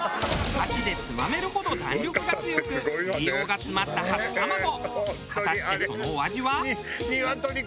箸でつまめるほど弾力が強く栄養が詰まった初たまご。